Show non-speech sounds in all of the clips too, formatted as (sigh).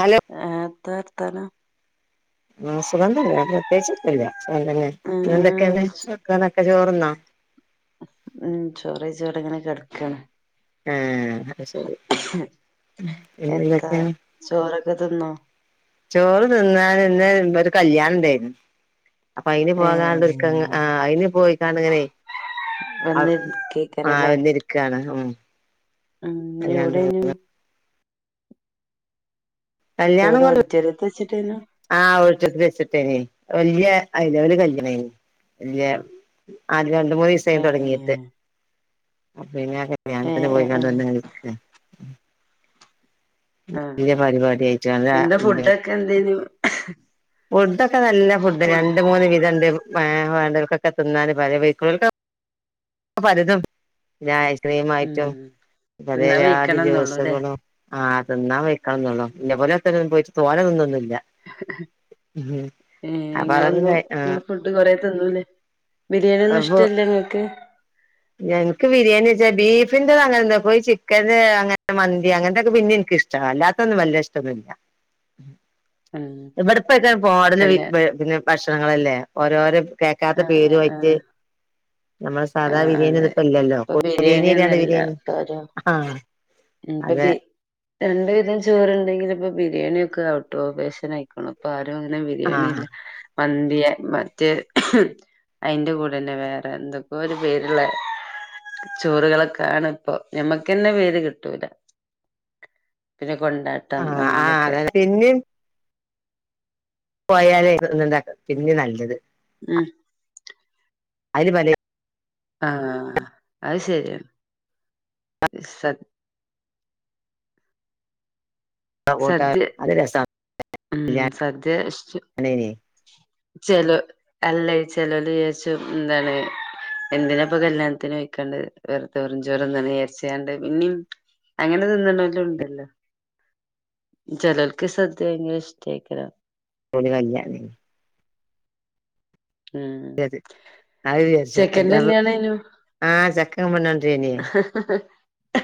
Hello ഏഹ് എത്ത വർത്താനം ആഹ് സുഖം തന്നെ പ്രത്യേകിച്ച് ഒന്നുല്യ സുഖം തന്നെ ആ പിന്നെ എന്തൊക്കേണ് വർത്താനൊക്കെ ചോറ്ന്നോ? ഉം ചോറെയ്വ്ടെങ്ങനെ കെടക്കാണ്. ഏഹ് അത് ശരി ഉം പിന്നെ എത്താ എന്തൊക്കെണ് ചോറൊക്കെ തിന്നോ? ചോറ് തിന്നാന് ഇന്ന് ഒരു കല്യാണം ഇണ്ടായ്നു അപ്പൊ അയിന് ഏ പോകാനുള്ളൊരുക്കങ ആഹ് അയിന് പോയിക്കാണ്ട്ങ്ങനെ അവ് ആഹ് വന്നിരിക്കേക്കാരല്ലേ വന്നിരിക്കാണ് ഉം ഉം കല്യാണത്തിന് എവിടെനു എവ്ടെ ഓഡിറ്റോറിയത്ത് വെച്ചിട്ടേനു ആഹ് ഓഡിറ്റോറിയത്തി വെച്ചിട്ടേനി വല്യ അയ്ലെവല് കല്യാണേനി വല്യ ആഹ് രണ്ട് മൂന്നീസായി ഏ തൊടങ്ങീട്ട് അപ്പിന്നെ ഏ കല്യാണത്തിന് ഏ ഏ പോയിക്കാണ്ട് വന്ന് ഇങ്ങനെ ക്ക ആ വെല്യ പരിപാടി ആയിട്ട (unintelligible) ക്കെന്തേനു ഫുഡൊക്കെ നല്ല ഫുഡ് രണ്ട് മൂന്ന് വിധണ്ട് വേണ്ടോൽക്കൊക്കെ തിന്നാന് പലെ വെയ്ക്ക്ണോൽ അ പലതും പിന്ന ഐസ്ക്രീം ഉം ആയിറ്റും പലേ തിന്നാൻ ജാതി വെയ്ക്കണംന്നൊള്ളൂല്ലേ ജൂസ്കളും ആഹ് തിന്നാ വെയ്ക്കണന്നൊള്ളു ഇന്നെ പോലെ (unintelligible) പോയിറ്റ് തോന തിന്നൊന്നുല്ല ഏഹ് അപ്പൊ ഇങ്ങളെന്നു അതൊക്കെ ആഹ് ഇങ്ങള് ഫു ഡ് കൊറെ തിന്നുല്ലേ ബിരിയേണിയൊന്നും ഇഷ്ടല്ല ഇങ്ങക്ക് ഞങ്ങ്ക് ബിരിയാണി വെച്ച ബീഫിന്റെത് അങ്ങൻന്തെ ഇപ്പയി ചിക്കന്റെ അങ്ങൻത്തെ മന്തി അങ്ങൻത്തെക്കെ പിന്നിം ഇൻക്ക്ഷ് ച്ചാ അല്ലാത്തൊന്നും വല്ല്യ ഇഷ്ടൊന്നുല്ല ഉം ഇവിടെപ്പക്ക പോടല് കല്യാ പിന്നെ ഭക്ഷണങ്ങളല്ലേ ഓരോരെ കേക്കാത്ത ആഹ് പേരു ആഹ് ആയി റ്റ് ആഹ് ഞമ്മളെ സാധാ ആഹ് ബിരേണി അതെ ഒന്നും ഇപ്പ ഇല്ലല്ലോ ഇപ്പൊ പോത്ത് ബിരിയാണി ബിരേണില്ലാണ് ഒന്നുംല്ല ബിരിയേണി ഇപ്പൊരു ആഹ് ഇപ്പൊ അതെ ബി രണ്ട് വിധം ചോറ്ണ്ടെങ്കിൽ ഇപ്പൊ ബിരിയാണി ഒക്കെ ഔട്ട് ഓഫ് ഫാഷൻ അയിക്ക്ണ് ഇപ്പ ആരും അങ്ങനെ ആഹ് ബിരിയാണില്ല മന്തിയ മറ്റേ അയിന്റെ കൂടെന്നെ വേറെ എന്തൊക്കോ ഒര് പേര്ള്ളെ ചോറ്കളൊക്കാണ്പ്പൊ. ഞമ്മക്കെന്നെ പേര് കി ട്ടൂല്ല. പിന്നെ കൊണ്ടാട്ടം അങ്ങനെക്കെ. പിന്നീം പോയാലേ തിന്ന്ണ്ടാക്ക പിന്നീം നല്ലത്. ഉം. അയില് പലേ ആഹ് അത് ശരിയാണ്. സ കൂട്ടാൻ സദ്യ അത് രസാണ്. ഉം സദ്യ ഇഷ് കല്യാണേനി ചെലോ അല്ലയ് ചെലോല് വിചാച്ചും എന്താണ് എന്തിനാ ഇപ്പൊ കല്യാണത്തിന് പോയിക്കാണ്ട് വെർ വെറുചോറ് തിന്ന്ണ് വിചാര്ച്ച്ങ്ങാണ്ട് പിന്നിം അങ്ങനെ തിന്ന്ണോലും ഇണ്ടല്ലോ? ചെലോൽക്ക് സദ്യ പിന്നെ ഇഷ്ടേക്കാരം. (unintelligible) ഉം അത് വിചാരിച്ചു ചെക്കന്റെ എന്താപ്പോ കല്യാണേനു ആഹ് ചെക്കൻ പെണ്ണെട്ടേനി ആ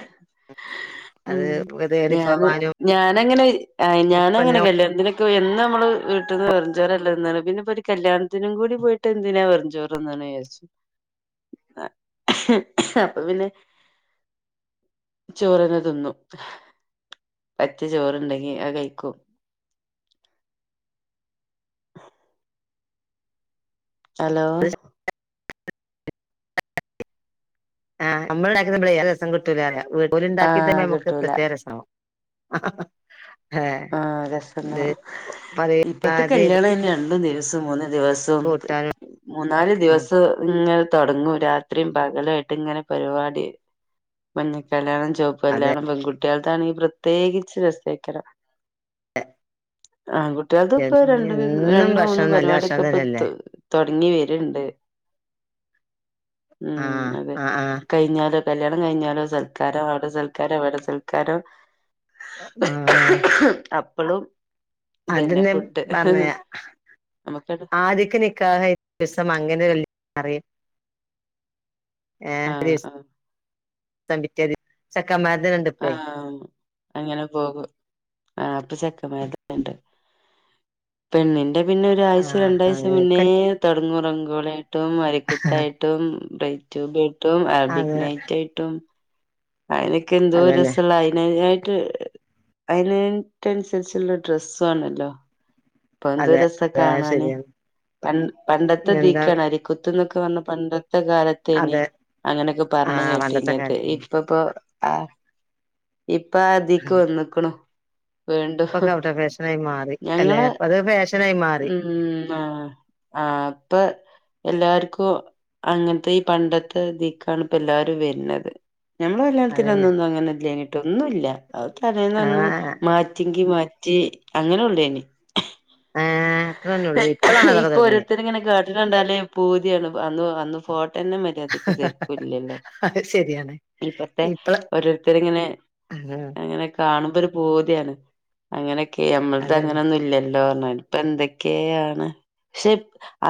അത് പ്പോ തേടി ഞാന് പോവാനും ഞാനങ്ങനെ പെണ്ണിനെ കല്യാണത്തിന് എന്നോമ്മള് വീട്ടിന്ന് വെറുംച്ചോറല്ലേ തിന്ന്ണ് പിന്നെ ഇപ്പൊരു കല്യാൺത്തി (unintelligible) കൂടി പോയിട്ട് എന്തിനാ വെറും ചോറിന്ന്ണ് വിചാര്ച്ചു. ആഹ് അപ്പൊ പിന്നെ ചോറന്നെ തിന്നും. പറ്റേ ചോറ്ണ്ടെങ്കി അത് കഴിക്കും. ഹലോ ആഹ് നമ്മള്ണ്ടാ ക്കുന്നപ്പളെ നല്ല ര ഓല്ണ്ടാക്കി ആഹ് തരുമ്പോ ഞമ്മക്ക് കിട്ടൂല പ്രത്യേക രസാവും. ഏഹ് ആഹ് ഇത് രസണ്ടാവും. ഇപ്പത്തെ പറയാതെ കല്യാണയ്ന് രണ്ടു ദിവസം മൂന്നുദിവസം മൂന്നാല് ഉം ദിവസം ഇങ്ങനെ തൊടങ്ങും രാത്രീം പകലോയ്യിട്ട് ഇങ്ങനെ പരിവാടി മഞ്ഞ കല്യാണം ചോ അതെ കല്യാണം പെൺകുട്ടിയേളതാണെങ്കി പ്രത്യേകിച്ച് രസേക്കാരം. ആൺ കുട്ടികൾക്കും ഇപ്പൊ എന്നും രണ്ടും മൂന്നും ഭക്ഷണം നല്ല പരിവാടിക്കെ ഭക്ഷണം ഇപ്പ തന്നെയല്ലേ തൊടങ്ങി വര്ണ്ട്. ആഹ് അതെ. ആഹ് ആഹ് കല്യാണം കയ്ഞ്ഞാലോ സൽക്കാരം അവടെ സൽക്കാരം ഇവടെ സൽക്കാരം ആഹ് അപ്പളും ഇതന്നെ അതന്നെ ഫുഡ് പറഞ്ഞേ നമുക്കത് ആദ്യ നിക്കാഹ് ഒരൂസം മംഗല കല്യാണറയും. ആഹ് ആഹ് (unintelligible) പിറ്റേദിവസം ചെക്കമ്മാര്ത് രണ്ട് അങ്ങനെ പോകും. ആ ഇപ്പൊ ചെക്കമാര്ടെക്കെണ്ട്. പെണ്ണിന്റെ പിന്നെ ഒരാഴ്ച ആഹ് രണ്ടാഴ്ച മുന്നേ അങ്ങനൊക്കെ തൊടങ്ങും റെഗോളിയായിട്ടും അരിക്കുത്തായിട്ടും ബ്രെയിഡ് റ്റുബി ആയ്ട്ടും അത് അറബിക് നൈറ്റായ്ട്ടും അയിനൊക്കെ എന്തോ അതന്നെ രസള്ള അയിനേതായിട്ട് അയിനായ്ട്ട് അൻസരിച്ച്ള്ള ഡ്രസ്സോണല്ലോ? ഇപ്പൊ എന്തൊരു അതെ രസാ അതെ കാണാന്. ശരിയാണ് എന്താ പണ്ടത്തെതീക്കാണ് അരിക്കു പറഞ്ഞ പണ്ടത്തെ കാലത്തേനി അതെ അങ്ങനെക്കെ പർഞ്ഞ് ആഹ് പണ്ടത്തെ കേട്ടീന്നത്. കാലത്തന്നെ ഇപ്പപ്പോ ആഹ് ഇപ്പ ആതീക്ക് വന്ന്ക്കുണു. ഇപ്പൊക്കെ ഔട്ട്‌ ഫാഷനായി മാറി അല്ലെ? ഇപ്പൊത് ഫാഷനായി മാറി. ആഹ് ഇപ്പൊ എല്ലാര്ക്കും അങ്ങത്തെ ഈ പണ്ടത്തെതീക്കാണ് ഇപ്പോ എല്ലാരും വര്ണത്. ഞമ്മള കല്യാണത്തിന് അതന്നെ അന്നൊന്നും അങ്ങനെ ഇല്ലനീട്ടോ ഒന്നും ഇല്ല. അ തലേനന്ന് ആഹ് മാറ്റെങ്കി മാറ്റി അങ്ങനെ ഉള്ളേന് ആഹ് അത്ര തന്നെ ഉള്ളൂ ഇപ്പളാണ് അതൊക്കെ ഇപ്പൊ തുടങ്ങിയേ ഓരോരുത്തർ ഇങ്ങനെ കാട്ടിൻ ണ്ടാലേ പൂതിയാണ് അന്ന് അന്ന് ഫോട്ട തന്നെ അധിക ചെർക്കും ഇല്ലല്ലോ അത് ശരിയാണ് ഇപ്പത്തെ ഇപ്പള ഓരോരുത്തർ ഇങ്ങനെ ആഹ് അങ്ങനെ കാണുമ്പോ ഒരു പൂതിയാണ് അങ്ങനെയൊക്കെ നമ്മളത് അതന്നെ അങ്ങനെയൊന്നും ഇല്ലല്ലോ ഇപ്പൊ എന്തൊക്കെയാണ് പക്ഷെ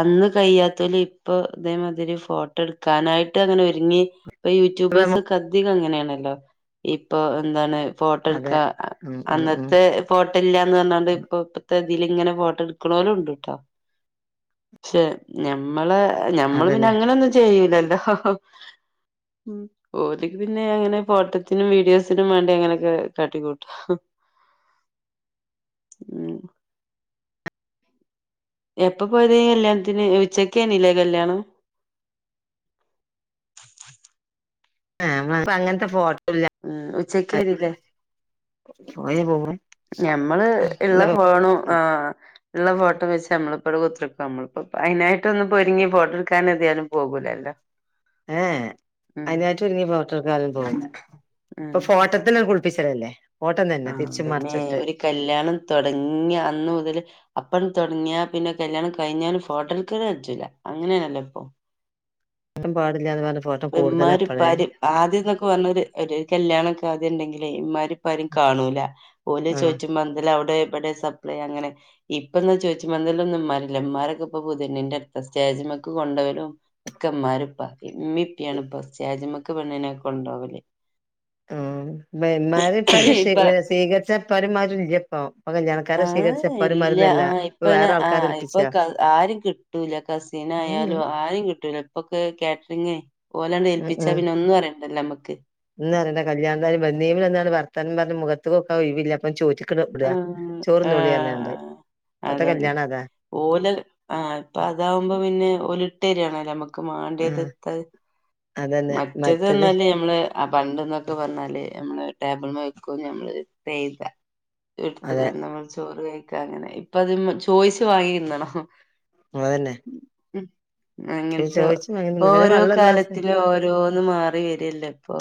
അന്ന് കഴിയാതോല് ഇപ്പൊ ഇതേമാതിരി ഫോട്ടോ എടുക്കാനായിട്ട് ങ്ങനെ ഒരുങ്ങി ഇപ്പൊ ഇപ്പ യൂറ്റൂബേഴ്സ് നമ്മ ഒക്കെ അധികം അങ്ങനെയാണല്ലോ. ഇപ്പൊ എന്താണ് ഫോട്ടോട്ക. അതെ ഉം ഉം ഉം അന്നത്തെ ഫോട്ടോ ല്യാന്ന് പറഞ്ഞാണ്ട് ഇപ്പൊ ത തീല് ഇങ്ങനെ ഫോട്ടോ എട്ക്ണോലും ണ്ട് കേട്ടോ. പക്ഷെ ഞമ്മളേ ഞമ്മള് പിന്നെ അതന്നെ അങ്ങനൊന്നും ചെയ്യൂലല്ലോ? ഓര് പിന്നെ അങ്ങനെ ഫോട്ടോത്തിനും വീഡിയോസിനും വേണ്ടി അങ്ങനെയൊക്കെ കാട്ടിക്കൂട്ടും. അഹ് ഉം എപ്പൊ പോയതേനി കല്യാണത്തിന്. ഉച്ചക്കേനിലേ കല്യാണം. ഏഹ് അങ്ങനത്തെ ഫോ ഉം ഉച്ചക്കെനിലെ പോയ പോവും ഞമ്മള് ഇള്ള ഫോണും ആ ഇള്ള ഫോട്ടോ വെച്ച് നമ്മളിപ്പോവിടെ കുത്തിർക്കും. നമ്മളപ്പോ അതിനായിട്ടൊന്നും ഒരുങ്ങി ഫോട്ടോ എടുക്കാൻ ഏതായാലും പോകൂലല്ലോ. (inaudible) ഏഹ് ഉം അതിനായിട്ടൊരുങ്ങി ഫോട്ടോട്ക്കാനൊന്നും പോകൂല. ഇപ്പൊ ഉം ഫോട്ടോത്തിന പ്പിച്ചല്ലേ ഫോട്ടം തന്നെ ആഹ് തിരിച് പിന്നെ മറിച്ചിട്ട് ഒരു കല്യാണം തുടങ്ങിയ അന്ന് മുതൽ അപ്പളും തുടങ്ങിയ പിന്നെ കല്യാണം കഴിഞ്ഞാലും ഫോട്ടോ എടുക്കല് കച്ചൂല. അങ്ങനെയണല്ലോ ഇപ്പൊ പാടില്യാതെ വേറൊരു ഫോ ഇമ്മാരി പ്പാരിം ആദ്യം എന്നൊക്കെ പറഞ്ഞ ഒരു കല്യാണമക്കെ ആദ്യം ഉണ്ടെങ്കില് ഇമ്മാരി പ്പാരിം കാണൂല ഒലെ ആഹ് ചോദിച്ചുമ്പോ എന്തല്ല അവിടെ ഇവിടെ സപ്ലൈ അങ്ങനെ ഇപ്പ എന്നാ ചോറ്റും പന്തൽ ഒന്നും മ്മാരില്ല. മാരൊക്കെ ഇപ്പൊ പുതിയണ്ണിന്റെ അടുത്ത സ്റ്റേജ്മക്ക് കൊണ്ടോവലും ഒക്കമാരും പ്പാരും ഉമ്മീം ഇപ്പി ഇപ്പൊ സ്റ്റേജ്മ്മക്ക് പെണ്ണിനെ കൊണ്ടോവല് (inaudible) ഉം വരുന്നവരെയും ഇപ്പ സ്വീകരിച്ച ഉമ്മാരും ഉപ്പരും ഇല്ല ഇപ്പം ആഹ് ഇല്യ. ആഹ ഇപ്പയിന് ആ ആൾക്കാരെ ഇപ്പൊ ഏൽപ്പിച്ചാ ആരും കിട്ടൂല ഉം കസിനായാലും ആരിം കിട്ടൂല ഇപ്പൊക്കെ കാറ്ററിങ് ഓലാണ്ട് ഏൽപ്പിച്ചാ പിന്നെ ഒന്നും അറിയണ്ടല്ലോ മക്ക് എന്ന് പറഞ്ഞ കല്യാണം വന്നേമല് വന്നാണ്ട് വർത്താനം പറഞ് പറഞ്ഞ മുഖത്ത്ക് നോക്കാൻ ഒഴിവില്ല. പ്പ ചോറ്റ ക്കെ വിട ആഹ് ചോറ്ന്നോളി പറഞ്ഞാണ്ട്. ആഹ് ഇപ്പൊത്തെ അതന്നെ. കല്യാണ അതാ ഓല് ആ ഇപ്പൊ അതാവുമ്പോ പിന്നെ ഓലിട്ടരിയാണല്ലോ നമുക്ക് മണ്ടിയത്. ആഹ് മറ്റത് ർഞാല് നഞമ്മള് ആ പണ്ട എന്നൊക്കെ പറഞ്ഞാല് നമ്മള് ടേബിൾ വെക്ക നമ്മള് ചെയ്ത എടുത് അതെ കഴിഞ്ഞ നമ്മൾ ചോറ് കഴിക്ക അങ്ങനെ ഇപ്പ അത് ചോയിച്ച വാങ്ങി തിന്നണം. അതന്നെ ഉ അങ്ങൻത്തെ ചോദിച്ചു വാങ്ങി പിന്നെ ഓരോ വെള്ളം ഒരു ഗ്ലാസ് കാലത്ത് ഓരോന്ന് മാറി വരല്ലേ ഇപ്പൊ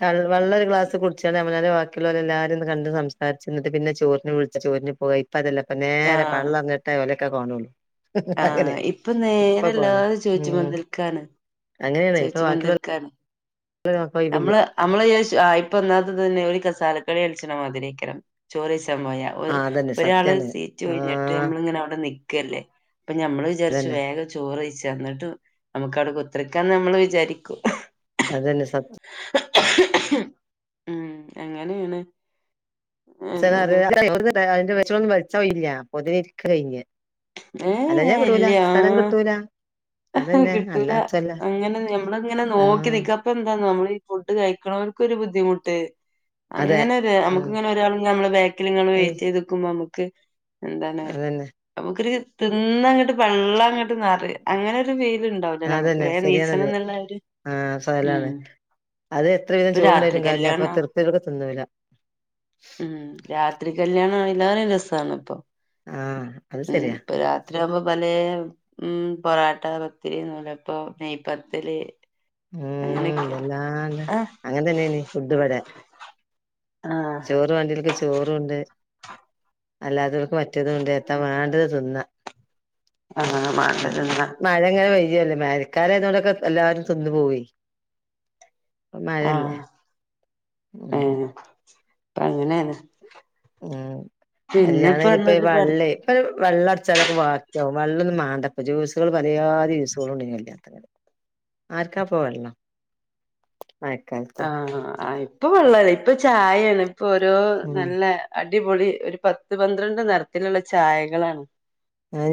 കളർ വള്ളൊരു ക്ലാസ് കുടിച്ചാല് അവനാന്റെ വാക്കിയുള്ളരെ എല്ലാവാരും കണ്ട് സംസാരിച്ചിട്ട പിന്നെ ചോറിന് വിളിച്ച ചോറിന് പോകായി അപ്പ അതല്ല ഇപ്പൊ നേരെ ആഹ് പള്ളർഞ്ഞിട്ടേ ഒലെയൊക്കെ കാണുള്ളൂ അങ്ങനെ ആഹ് ഇപ്പൊ ഇപ്പൊ നേരെ കോന എല്ലാരും ഉ ചോയ്ച്ചുമന്തൽക്കാണ് അങ്ങനെയാണ് ഇപ്പൊ ബാക്കിയുള്ള ചോയ്ച്ചുമന്തൽക്കാണ്. (inaudible) നമ്മള് നമ്മള് ഇപ്പൊ എന്നാകത്ത് തന്നെ ഒരു കസാലക്കളി കളിച്ചണം മതിരിക്കാരം ചോറ്ച്ചാൻ പോയാ ആ അതന്നെ ഒരാള് സത്യാണ് സീറ്റ് കഴിഞ്ഞിട്ട് ആഹ് നമ്മളിങ്ങനെ അവിടെ നി ക്കല്ലേ അപ്പൊ ഞമ്മള് വിചാരിച്ചു അതന്നെ വേഗ ചോറയിച് എന്നിട്ട് നമുക്ക് അവിടെ കുത്തിര് ക്കാന്ന് (unintelligible) നമ്മള് വിചാരിക്കു. അതന്നെ സത്യം ഉം എങ്ങനെയാണ് (inaudible) ഇക്ക് കയിഞ്ഞ് ഏഹ് ഇല്ല അതന്നെ കിട്ടൂല അല്ലാത്തല്ല അങ്ങനെ ഞമ്മളങ്ങനെ നോക്കി ആഹ് നിക്ക അതെന്താന്നോ നമ്മള് ഈ ഫുഡ് കഴിക്കണവർക്ക് ഒരു ബുദ്ധിമുട്ട് അതെ അങ്ങനെ ഒര് നമുക്ക് ഉം ഇങ്ങനെ ഒരാൾ നമ്മള് ബാക്കിൽ നിങ്ങൾ വെയിറ്റ് ചെയ്ത്ക്കുമ്പോ നമുക്ക് എന്താണ് അതന്നെ നമുക്കൊരു തിന്നങ്ങോട്ട് പള്ള അങ്ങോട്ട് നെറയ് അങ്ങനെ ഒരു ഫീലുണ്ടാവില്ല നമുക്ക് അതന്നെ വേഗം ണീച്ചണം ശരിയാണത് എന്നുള്ള ഒരു ഉം അതെ എത്ര വിധം ഇപ്പൊ രാത്രി ചോറുണ്ടായാലും കാര്യല്ല അപ്പോ കല്യാണാ തൃപ്തിയോടെ തിന്നൂല്ല ഉം രാത്രി കല്യാണം ആണേ എല്ലാവരും രസാണ് ഇപ്പൊ ആഹ് അത് ഉം ശരിയാ ഇപ്പൊ രാത്രിയാമ്പോ പലേ ഉം പൊറാട്ട എറച്ചി നൂലപ്പം നെയ്പത്തിരി ഉം എന്തെല്ലാണ്ട് ആഹ് അങ്ങനെ തന്നെയാനി ഫുഡ് ഇവടെ ആഹ് ചോറ് വേണ്ടിയവർക്ക് ചോറുണ്ട് അല്ലാത്തവർക്ക് മറ്റേതും ഉണ്ട് എന്താ വേണ്ടത് തിന്ന ആഹ് മാണ്ട തിന്നാ മഴങ്ങനെ വെയ് യല്ലേ മേരിക്കാരതോടൊക്കെ എല്ലാവരും തിന്നു പോയി ആഹ് ഉം ഏഹ് അപ്പോ അങ്ങനെയാണ് ഉം പിന്നെ കല്യാണ ഇപ്പ ഇനിപ്പയീ പറഞ്ഞത് പറ വള്ളി വെള്ളം അടിച്ചാലൊക്കെ വാക്കിയാവും വെള്ളൊന്നും വാണ്ടപ്പോ ജ്യൂസുകൾ പല ജാതി ജ്യൂസുകൾ ഉണ്ടേനി ആർക്കാപ്പോ വെള്ളം ആയിക്കാ ആഹ് ഇപ്പൊ വെള്ളല്ല ഇപ്പൊ ചായയാണ് ഇപ്പൊ ഓരോ ഉം നല്ല അടിപൊളി ഒരു പത്ത് പന്ത്രണ്ട് നിറത്തിലുള്ള ചായകളാണ്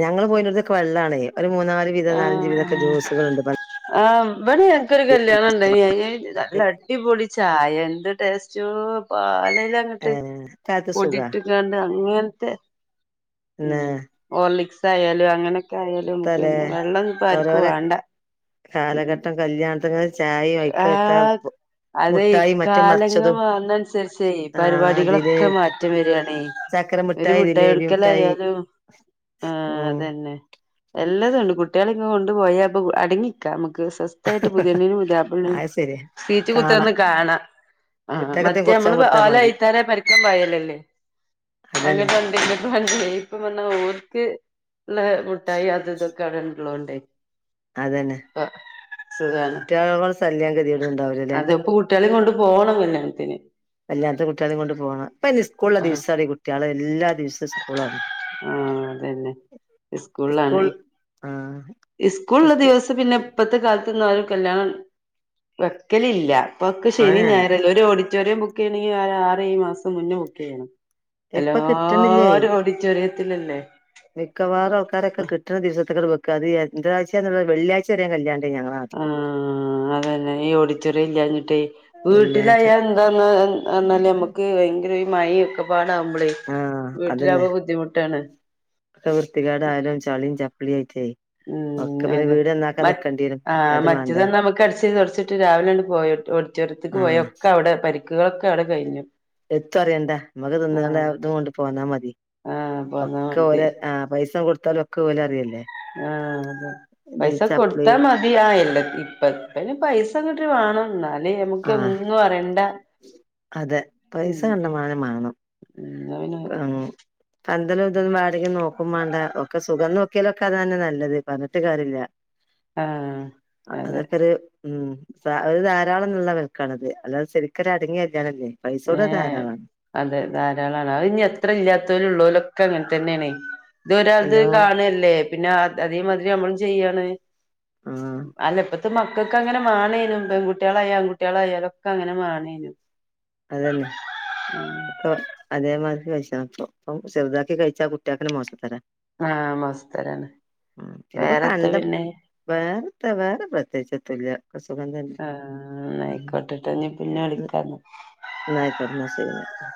ഞങ്ങൾ പോയിന്റടുത്തൊക്കെ വെള്ളാണേ ഒരു മൂന്നാല് വിധം നാലഞ്ച് വിധൊക്കെ ആഹ് ജ്യൂസുകളുണ്ട് പണ്ട് ആഹ് ഇവിടെ ഞങ്ങക്കൊരു കല്യാണം ഉണ്ടാരുന്ന് (unintelligible) നല്ല അടിപൊളി ചായ എന്ത് ടേസ്റ്റോ പാലില് അങ്ങട്ട് ഏഹ് കാലത്ത് സുഖാ പൊടിട്ട് ട്ടാണ്ട് അങ്ങനത്തെ ഉം പിന്നെ ഹോർളിക്സ് ആയാലും അങ്ങനെ യാലും നമുക്ക് തലേ തന്നെ വെള്ളംന്നും ഇപ്പം ആര്ക്കും വേണ്ട ഉം കല്യാണത്തിനങ്ങനെ ചായേം വയ്ക്ക എത്താ ആഹ് ഇപ്പോ അതെ കാലങ്ങൾ മാറുന്നനുസരിച്ചേ ആഹ് അതില് പരിപാടികളൊക്കെ മാറ്റം വരിയാണേ ചക്കര ഒരു മിഠായി മുട്ടായി ജിലേബി മിഠായി കൊടുക്കലായാലും ആഹ് ഉം അതന്നെ എല്ലതും ഉണ്ട് കുട്ടികളെ ഇങ്ങു കൊണ്ട് പോയാ പ്പൊ അടങ്ങിക്കാം നമുക്ക് സ്വസ്ഥായിട്ട് പുതിയെണ്ണിനേം പുതിയാ പ്ലേം അത് ശരിയാ സീറ്റി കാണാ കുത്തിയിർന്ന് കാണാം ആഹ് കുട്ടികൾക്കത്തെ മറ്റേ അമ്മള് കുറച്ചങ്ങ് കൊടുത്താ ഓലേ മതി അയ്ത്താരേ പരക്കം പായലല്ലേ അതന്നെ (unintelligible) ഇപ്പ പറഞ്ഞാ ഓർക്ക് ള്ള മുട്ടായി അത് ഇതൊക്കെ അവിടെയുള്ളോണ്ടേ അതന്നെ കുട്ടികളോള്ള ശല്യം ഗതികേടുണ്ടാവില്ല അതെ ഇപ്പോ കുട്ടികളെ കൊണ്ട് പോണം കല്യാണത്തിന് അല്ലാത്ത കുട്ടികളേം കൊണ്ട് പോണം അപ്പൊ ഇനി ഇസ്കൂള് ആഹ് ദിവസാണീ കുട്ടികള് എല്ലാ ദിവസവും ഇസ്കൂളാണ് ആഹ് അതന്നെ ഇസ്കൂളിലാണ് സ്കൂൾ ആഹ് ഇസ്കൂളുള്ള സ്കൂ ദിവസ് പിന്നെ ഇപ്പത്തെ കാലത്ത്ന്നും ആരും കല്യാണം വെക്കലില്ല ഇപ്പോക്കെ ശനിയും ആഹ് ഞായറുവല്ലേ ഒരു ഓഡിറ്റോറിയം ബുക്ക് ചെയ്യണെങ്കിൽ ആറ് ഏഴ് മാസം മുന്നേ ബുക്ക് ചെയ്യണം ഇപ്പൊ കിട്ടുന്നില്ലേ എല്ലാരും ഓഡിറ്റോറിയത്തിലല്ലേ മിക്കവാരും ആൾക്കാരൊക്കെ കിട്ട്ണ ദിവസത്തേക്ക്ങ്ങട്ട് വെക്ക എന്ത്രയ്ച്ചന്ന്ല്ലെ വെള്ളിയാ്ച വരെ കല്യാണം ആഹ് അതന്നെ ഈ ഓഡിറ്റോറിയം ഇല്ലാഞ്ഞിട്ടേ വെള്ളിയാഴ്ച വീട്ടിലായ എന്താ എന്നാല് നമ്മക്ക് ഭയങ്കര മഴ ഒക്കെ പാടാവുമ്പളേ ആഹ് അതന്നെ വൃത്തികാട് ആലും ചളിയും ചപ്പളിയ ആയിട്ടെ ഉം ഒക്കെ പിന്നെ അതെ വീട്നന്നാക്കാൻ മറ്റ് നിക്കണ്ടി ആഹ് മറ്റത് നമക്ക് അടിച്ചേരി തൊടച്ചിട്ട് രാവിലെയാപോയണ്ട് ഓഡിറ്റോറിയത്ത്ക്ക് പോയ ആഹ് ഒക്കെ അവിടെ പ പക്കുകളൊക്കെ അവിടെ കഴിഞ്ഞു എത്തു അറിയണ്ട നമ്മക്ക് തിന്നാണ്ട് ആഹ് ഇതും കൊണ്ട് പോന്നാ മതി ആഹ് പോന്നാ ഒക്കെ ഓര മതി ആഹ് പൈസ കൊടുത്താലും ഒക്കെ ഓല് അറയല്ലേ ആഹ് അതെ പൈസ കൊടുത്താ മതി അ ആല്ല ഇപ്പ ഇപ്പ പൈസങ്ങട്ട് വണംന്ന അല്ലെ നമക്ക് ആഹ് ഒന്നുമറിയണ്ട അതെ പൈസ കണ്ടമാനം മാ ണം എന്നാ പിന്നെ പന്തലും ഇതൊന്നും വാടക നോക്കുമാണ്ട ഒക്കെ സുഖം നോക്കിയലൊക്കെ അതന്നെ നല്ലത് പറഞ്ഞിട്ട് കര്യ ല്ല ആഹ് അതെ അതൊക്കെ ഒര് ഉം സ ഒരു ധാരാളം എന്നുള്ള നെൽക്കാണത് അല്ലാതെ ശെരിക്കൊരു അടങ്ങിയ കല്യാണല്ലത് ഏ അതെ ധാരാളാണ് അത് ഇനി എത്ര ഇല്ലാത്തൊലും ഉള്ളൊലൊക്കെ അങ്ങനെ തന്നെയാണ് ഇത്ഒരാൾത് എല്ലാരും കാണ് അല്ലേ പിന്നെ അതേമാതിരി നമ്മള് ചെയ്യാണ് ആഹ് അല്ലെ ഇപ്പ അത് മക്കൾക്ക് അങ്ങനെ മാണേനും പെൺകുട്ടികളായ ആൺകട്ടികളായാലൊക്കെ അങ്ങനെ മാണേനും അതന്നെ ഒക്കെ അതേമാതിരി കൈച്ചനപ്പോ ഇപ്പൊ ചെറുതാക്കി കഴിച്ചാ കുട്ടിയേക്കെന്നെ മൊഷത്തരാ ആഹ് മൊശതരാണ് പിന്നെപ്പോ വേറെത പണ്ട പിന്നെ വേറെത്തെ വേറെ പ്രത്യേകിച്ചെത്തുല്ല സുഖം തന്നെ ആഹ് നയിക്കോട്ടട്ടൊ പിന്നെ ഉം വിളിക്കാന്ന് ന്നാ അയിക്കോട്ടെ എന്നാ ശരി ന്നാല്